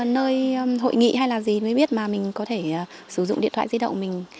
nơi hội nghị hay là gì mới biết mà mình có thể sử dụng điện thoại di động mình